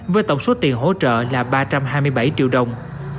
với tổng số tiền hỗ trợ là ba trăm hai mươi bảy triệu đồng